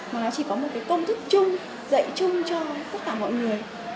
mà nó chỉ có một cái công thức chung dạy chung cho tất cả mọi người